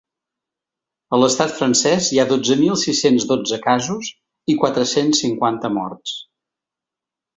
A l’estat francès hi ha dotze mil sis-cents dotze casos i quatre-cents cinquanta morts.